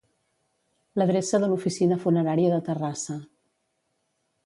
L'adreça de l'oficina funerària de Terrassa.